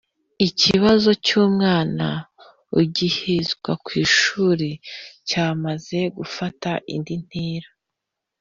ikibazo cy’ umwana ugihezwa ku ishuri cyamaze gufata indi ntera